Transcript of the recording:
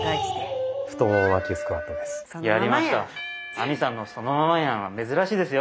これは亜美さんの「そのままやん」は珍しいですよ。